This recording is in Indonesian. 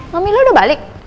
mami lo udah balik